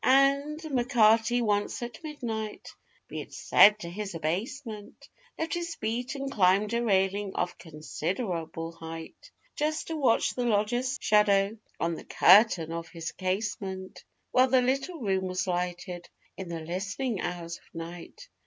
And M'Carty, once at midnight be it said to his abasement Left his beat and climbed a railing of considerable height, Just to watch the lodger's shadow on the curtain of his casement While the little room was lighted in the listening hours of night.